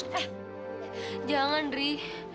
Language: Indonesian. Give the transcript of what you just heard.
eh jangan ri